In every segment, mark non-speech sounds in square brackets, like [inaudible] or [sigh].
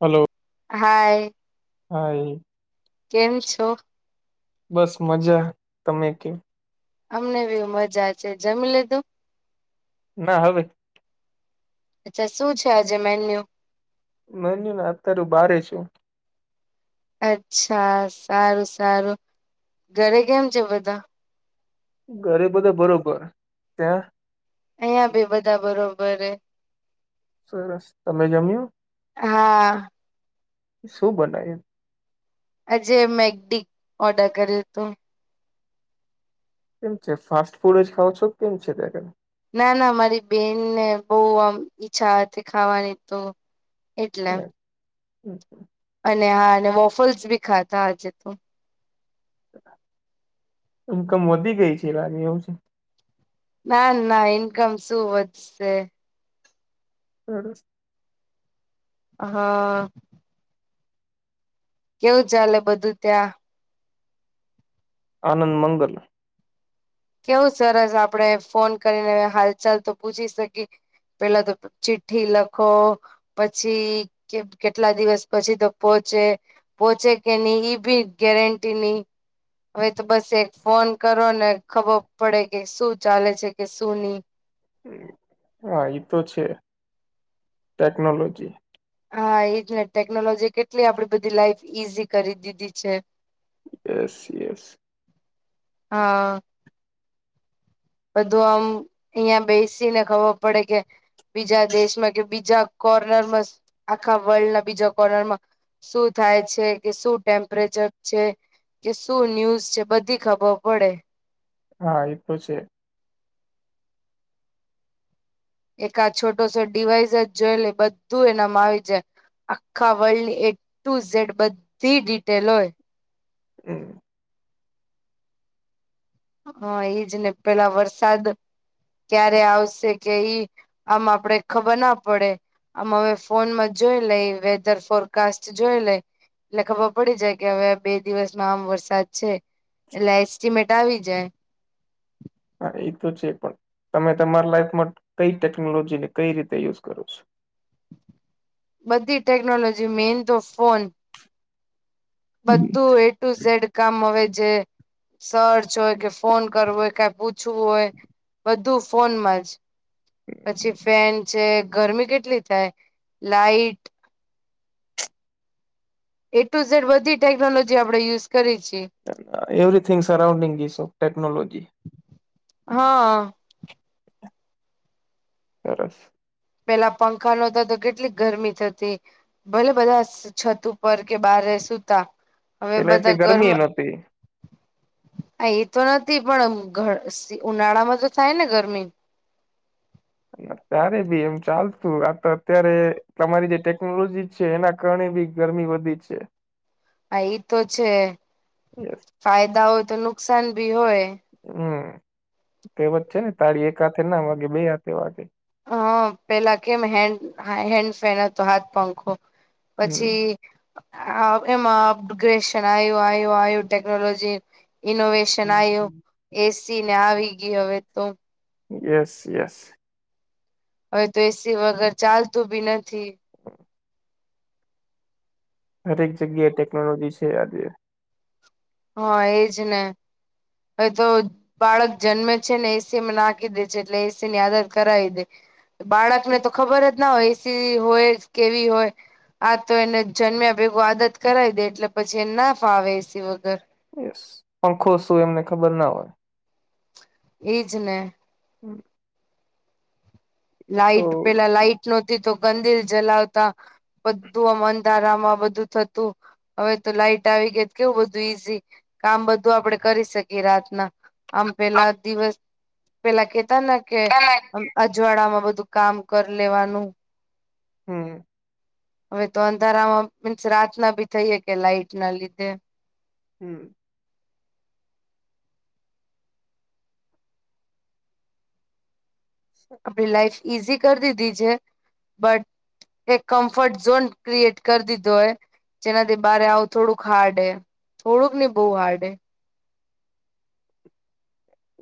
હાલો. Hi. Hi. કેમ છો? બસ મજા, તમે કેમ? અમને બી મજા છે, જમી લેધું? ના હવે. અચ્છા શું છે આજે મેન્યુ? મેન્યુ ને અત્યારે બારે છું. અચ્છા સારું સારું, ઘરે કેમ છે બધા? ઘરે બધા બરોબર, ત્યાં? અહિયા ભી બધા બરોબર હે. સરસ, તમે જમ્યુ? હા. શું બનાયુ? આજે મેકડી ઓર્ડર કર્યું હતું. કેમ છે ફાસ્ટ ફૂડ જ ખાવઓ છો કેમ છે ત્યાંને? ના ના મારી બેનને બવ આમ ઈચ્છા હતી ખાવાની તો એટલે. હમ્મ. અને હા અને વોફલ્સ બી ખાધા આજે તો. ઈનકમ વધી ગઈ છે એ લાગે એવું છે. ના ના ઇન્કમ શું વધશે. [unintelligible] હા. કેવું ચાલે બધું ત્યાં? આનંદ મંગલ. કેવું સરસ આપડે ફોન કરીને હાલ ચાલ તો પૂછી શકીએ. પેલા તો ચિઠ્ઠી લખો પછી કેટલા દિવસ પછી તો પોચે. પોચે કે ની ઈ બી ગેરંટી ની. હવે તો બસ એક ફોન કરો ને ખબર પડે કે શું ચાલે છે કે શું ની. હા એતો છે ટેકનોલોજી. હા એજ ને ટેકનોલોજી કેટલી આપડી બધી લાઈફ ઈઝી કરી દીધી છે. Yes yes. હા. બધું આમ અહિયાં બેસી ને ખબર પડે કે બીજા દેશમાં કે બીજા કોર્નરમાં આખા વર્લ્ડના બીજા કોર્નરમાં શું થાય છે કે શું ટેમ્પરેચર છે. કે સુું ન્યુઝ છે બધી ખબર પડે હા એ તો છે. એક આ છોટો છો ડિવાઈસ જ જોઈે લ બધું એનામાં આવી જાય આખા વર્લ્ડની એ ટુ ઝેડ બધી ડિટેલ હોય હમ હા એજ ને પેલા વરસાદ ક્યારે આવશે કે ઈ આમ આપડે ખબર ના પડે આમ હવે ફોન માં જોઈ લઈ વેધર ફોરકાસ્ટ જોઈ લઈ એટલે ખબર પડી જાય કે હવે બે દિવસમાં આમ વરસાદ છે એટલે એસ્ટિમેટ આવી જાય હા એ તો છે પણ તમે તમારા લાઈફમાં કઈ ટેકનોલોજી ને કઈ રીતે યુઝ કરો છો. બધી ટેકનોલોજી મેન તો ફોન. છો બધું એ ટુ ઝડ કામ હવે જે. સર્ચ હોય કે ફોન કરવો હોય કઈ પૂછવું હોય બધું ફોનમાં જ. પછી ફેન છે ગરમી કેટલી થાય લાાઈટ. એ ટુ ઝેડ વધી. એવરીથીિંગ સરાઉન્ડિંગ ઇ ઓફ ટેકનોલોજી. હા. સરસ. પેલા પંખા નતા તો કેટલી ગરમી થતી. ભલે બધા છત ઉપ કે બારે સૂતા હવે પેલા બધા એટલી ગરમ ગરમી નહોતી હા એતો નથી પણ ઉનાળા માં તો થાય ને ગરમી. ત્યારે બી એમ ચાલતું આ તો અત્યારે તમારી જે ટેકનોલોજી. છે એના કારણે બી ગરમી વધી જ છે. હા એ તો છે યસ ફાયદા હોય તો નુકસાન ભી હોય. હમ તેવ જ છે ને તાળી એક હાથે ના વાગે બે હાથે વાગે. હ પેલા કેમ હેન્ડ હેન્ડ ફેન હતો હાથ પંખો હમ પછી. એમાં અપગ્રેશન આવ આવ્યું આવું ટેકનોલોજી ઇનોવેશ. ન આવ્યો હમ. એસી ને આવી ગય હવે તો. Yes, yes. હવે તો એ. સી વગર ચાલતું બી નથી. હરેક જગ્યાએ ટેકનોલોજી છે આજે. હા એજ ને હવે તો. બાળક જન્મે છે ને એસીમાં નાખી દે છે એટલે એસી ની આદત કરાવી દે. બાળકને તો ખબર જ ના હોય એસી હોય કેવી હોય. આ તો એને જન્મ્યા ભેગું આદત કરાવી દે એટલે પછી એ ના ફાવે એસી વગર. સ પંખો શું એમને ખબર ના હોય. એજ ને. હમ. લાઈટ પેલા લાઈટ નહોતી તો ગંદિલ જલાવતા. બધું અમંધારામાં બધું થતું. હવે તો લાઈટ આવી ગઈ કેવું બધું ઈઝી કામ બધું આપડે કરી શકીએ રાતના. આમ પેલા દિવસ પેલા કેતા ને કે ઉજવાડા માં બધું કામ કરી લેવાનું. હમ. હવે તો અંધારામાં મીન્સ રાતના બી થઈ કે લાઈટ ના લીધે. હમ. આપણી લાઈફ ઈઝી કરી દીધી છે બટ. એક કમ્ફર્ટ ઝોન ક્રિએટ કરી દીધો એ. જેનાથી બારે આવું થોડુંક હાર્ડ હે થોડુંક ની બહુ હાર્ડ હે.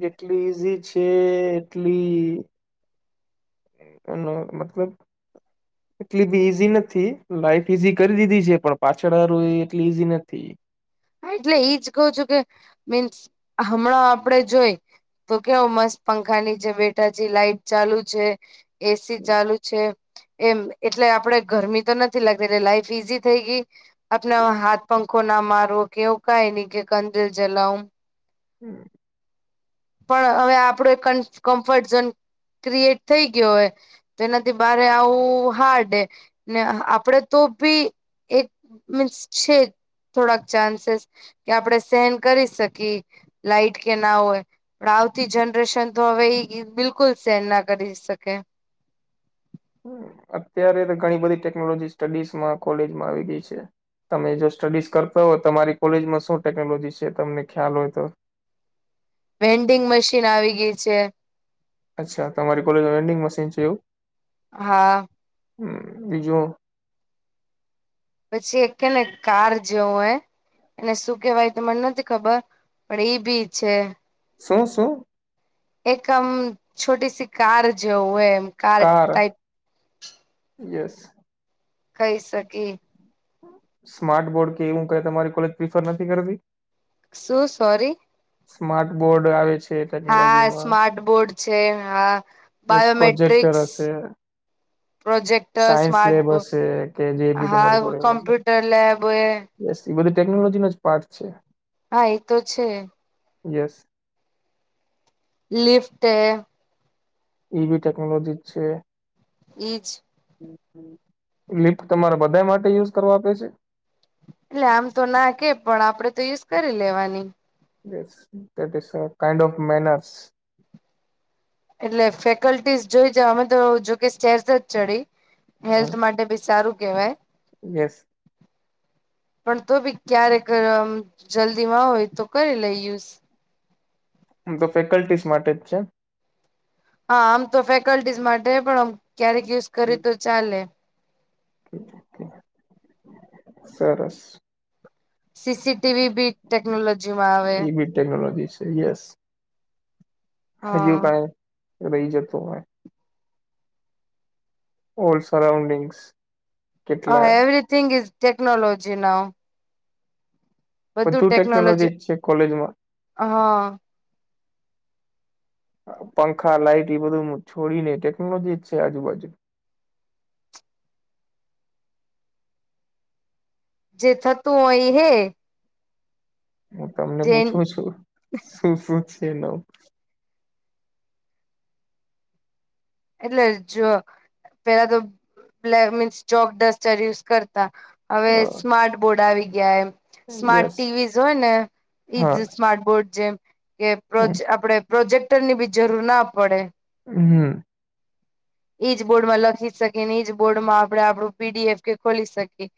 જેટલી ઈઝી છે એટલી મતલબ. [inaudible] એટલી બી ઈઝી નથી લાઈફ ઈઝી કરી દીધી છે પણ પાછળું એ એટલી ઈઝી નથી. હા એટલે એઈજ કઉ છું કે મીન્સ હમણાં આપડે જોઈ તો કેવો મસ્ત પંખા નીચે બેઠા છે લાઈટ ચાલુ છે એસી ચાલુ છે. એમ એટલે આપડે ગરમી તો નથી લાગતી એટલે લાઈફ ઈઝી થઈ ગઈ. આપણે હાથ પંખો ના મારવો કે એવું કાય નહી કે કંદીલ જલાવું. હમ. પણ હવે આપડો કમ્ફર્ટ ઝોન ક્રિએટ થઈ ગયો હે. તો એનાથી બારે આવું હાર્ડ ને આપડે તો ભી એક મીન્સ છે થોડાક ચાન્સીસ કે આપણેે સહન કરી શકીએ લાઈટ કે ના હોય પણ આવતી જનરેશન તો હવે ઈ બિલકુલ સેન ના કરી શકે. અત્યારે તો ઘણી બધી ટેકનોલોજી સ્ટડીઝમાં કોલેજમાં આવી ગઈ છે તમે જો સ્ટડીઝ કરતા હો તમારી કોલેજમાં શું ટેકનોલોજી છે તમને ખ્યાલ હોય તો. વેન્ડિંગ મશીન આવી ગઈ છે અચ્છા તમારી કોલેજમાં વેન્ડિંગ મશીન છે એવું? હા. હમ બીજું? પછી એક કે ને કાર જેવું હૈ એને શું કહેવાય તો મને નથી ખબર પણ એઈ ભી છે. શું શું? એકમ છોટી સી કાર જેવું એ. કાર યેસ કઈ શકે સ્માર્ટ બોર્ડ કે એવું ક તમારી કોલેજ પ્રિફર નથી કરતી? શું સોરી? સ્માર્ટ બોર્ડ આવે છે. હા ટેકનોલોજીમાં સ્માર્ટ બોર્ડ છે હા યેસ પ્રોજેક્ટર બાયોમેટ્રિક્સ હશે. Projector science smart lab board હશે કે જે બી તમારું હા કોલેજ મતલબ કોમ્પ્યુટર લેબ એ યસ એ બધું ટેકનોલોજી નો જ પાર્ટ છે. હા એ તો છે. યેસ. લિફ્ટ હે ઈ બી ટેક્નોલોજી છે. એજ. લીપ તમારે બધા માટે યુઝ કરવા આપે છે? એટલે આમ તો ના કે પણ આપડે તો યુઝ કરી લેવાની. Yes is kind of means એટલે ફેકલ્ટીસ જોઈ જ અમે તો જોકે [unintelligible] જ ચડી હેલ્થ માટે ભી સારું કેવાય યેસ. [inaudible] પણ તો ભી ક્યારેક જલ્દી માં હોય તો કરી લઈ યુસ. હમ, તો ફેકલ્ટીસ માટે જ છે. હા આમ તો ફેકલ્ટીઝ માટે પણ ક્યારેક યુઝ કરી તો ચાલે. સરસ. સીસીટીવી બી ટેકનોલોજી માં આવે એ બી ટેકનોલોજી છે યસ હજિયુ હા કાઈ રહી જતુ હોય ઓલ્ડ સરાઉન્ડિંગ્સ કેટલા હા એવરીથીગ ઇસ ટેકનોલોજી નાવ બધુ ટેકનોલોજી છે કોલેજમાં હા પંખા લાઈટ એ બધું છોડીને ટેકનોલોજી જ છે આજુબાજુ જે થતું હોય ઈ હે ઓકે અમને જે પૂછું છું શું શું છે ન એટલે જો પેલા તો black means chalk duster use કરતા હવે સ્માર્ટબોર્ડ આવી ગયા એમ સ્માર્ટ યસ ટીવીઝ હોય ને ઈજ હા સ્માર્ટ બોર્ડ જેમ કે પ્રોજ હમ આપડે પ્રોજેક્ટરની બી જરૂર ના પડે હમ ઈજ બોર્ડ માં લખી શકીએ ને ઈજ બોર્ડમાં આપણે આપણું પીડીએફ કે ખોલી શકીએ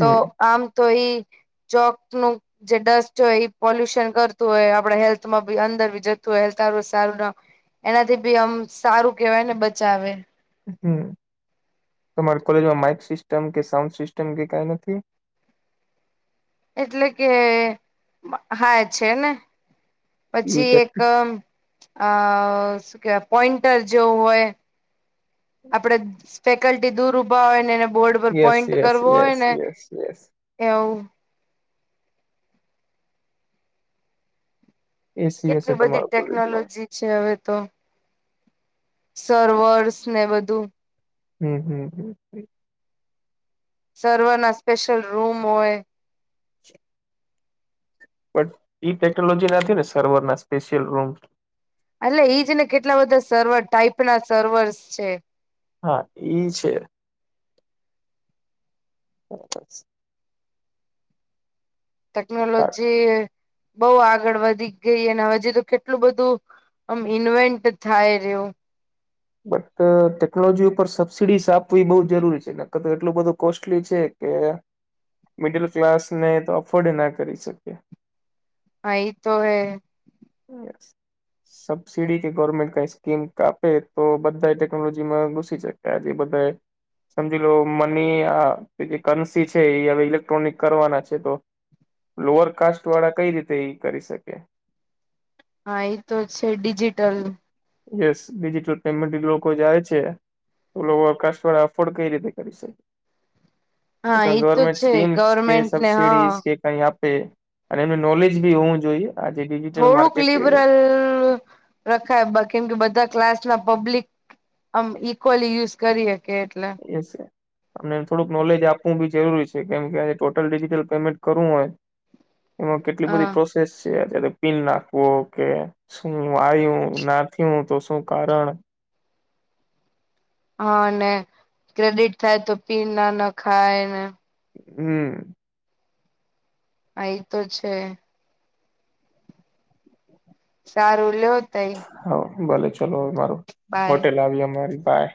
તો હમ આમ તો ઈ ચોક નું જે ડસ્ટ હોય પોલ્યુશન કરતું હોય આપડે હેલ્થમાં બી અંદર બી જતું હોય હેલ્થ સારું સારું ના એનાથી બી આમ સારું કેવાય ને બચાવે હમ તમારી કોલેજમાં માઈક સિસ્ટમ કે સાઉન્ડ સિસ્ટમ કે કાઈ નથી એટલે કે હા છેને પછી બીટેક? એક અ અ શું કેવાય પોઈન્ટર જેવું હોય આપડે ફેકલ્ટી દૂર ઉભા હોય ને એને બોર્ડ પર યસ પોઈન્ટ યસ કરવો હોય યસ ને યસ યસ એવુ એસી હશે કેટલી બધી તમારા કોલેજમાં ટેકનોલોજી છે હવે તો સર્વર્સ ને બધું હમ હમ હ સર્વર ના સ્પેશિયલ રૂમ હોય બટ ઇ ટેકનોલોજી નથી ને સર્વર ના સ્પેશિયલ રૂમ એટલે ઈજ ને કેટલા બધા સર્વર ટાઈપ ના સર્વર્સ છે હા ઈ છે [inaudible] ટેકનોલોજી બહુ આગળ વધી ગઈ અને હજી તો કેટલું બધું આમ ઇન્વેન્ટ થાય રહ્યો બટ ટેકનોલોજી ઉપર સબસિડીઝ આપવી બઉ જરૂરી છે નકર તો એટલું બધું કોસ્ટલી છે કે મિડલ ક્લાસ ને તો અફોર્ડ ના કરી શકે હા ઈ તો હે [inaudible] સબસીડી કે ગવર્મેન્ટ કઈ સ્કીમક આપે તો બધા ટેકનોલોજીમાં ઘુસી સકે ત્યાથી બધાય સમજી લો મની આ જે કરન્સી છે એ હવે ઇલેક્ટ્રોનિક કરવાના છે તો લોઅર કાસ્ટ વાળા કઈ રીતે ઈ કરી શકે હા ઈ તો છે ડિજિટલ યસ ડિજિટલ પેમેન્ટ ઈ લોકો જાય છે તો લોઅર કાસ્ટવાળા અફોર્ડ કઈ રીતે કરી શકે હા કા ઈ તો ગવર્મેન્ટ છે ગવર્મેન્ટ ને હા કાઈ આપે અને એનું નોલેજ બી હોવુ જોઈએ આજે ડિજિટલ માર્કેટ એ છે [inaudible] રખાય કેમ કે બધા ક્લાસમાં પબ્લિક આમ ઇક્વલી યુઝ કરી સકે એટલે એસે અમને થોડુંક નોલેજ આપવું બી જરૂરી છે કેમ કે આજે ટોટલ ડિજિટલ પેમેન્ટ કરવું હોય એમાં કેટલી હા બધી પ્રોસેસ છે અત્યારે પિન નાખવો કે શું આવું ના થું તો શું કારણ? હા અનેને ક્રેડિટ થાય તો પી ના ના ખાય ને હમ આ એ તો છે. સારું લ હા ભલે ચલોવેરું બાય હોટેલ આવી અમારી બાય.